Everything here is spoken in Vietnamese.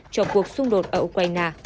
cho cuộc xung đột ở ukraine